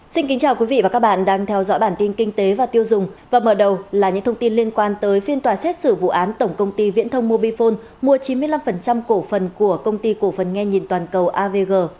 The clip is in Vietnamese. xin kính chào quý vị và các bạn đang theo dõi bản tin kinh tế và tiêu dùng và mở đầu là những thông tin liên quan tới phiên tòa xét xử vụ án tổng công ty viễn thông mobifone mua chín mươi năm cổ phần của công ty cổ phần nghe nhìn toàn cầu avg